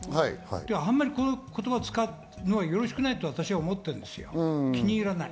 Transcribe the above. あんまりこういう言葉を使うのはよろしくないと思ってるんですよ、気に入らない。